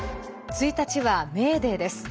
１日はメーデーです。